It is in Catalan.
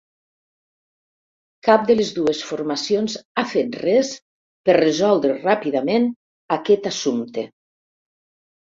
Cap de les dues formacions ha fet res per resoldre ràpidament aquest assumpte.